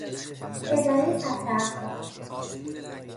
اداره ثبت احوال